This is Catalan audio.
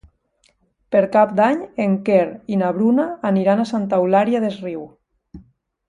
Per Cap d'Any en Quer i na Bruna aniran a Santa Eulària des Riu.